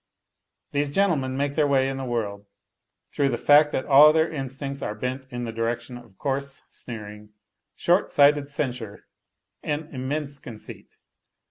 These gentlemen make their way in the world through the fact that all their instincts are bent in the direction of coarse sneering, short sighted censure and immense conceit.